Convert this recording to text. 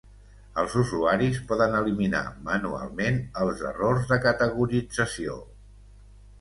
Els usuaris poden eliminar manualment els errors de categorització.